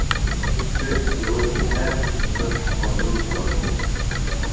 Көҙ йылы килһә, ҡыш оҙон була.